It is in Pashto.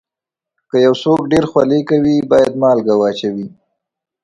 که یو څوک ډېر خولې کوي، باید مالګه واچوي.